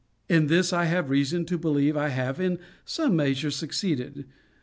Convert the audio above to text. In this I have reason to believe I have in some measure succeeded.